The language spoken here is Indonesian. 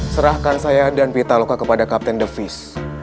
serahkan saya dan witaloka kepada kapten devis